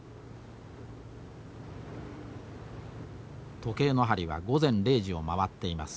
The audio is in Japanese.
時計の針は午前零時を回っています。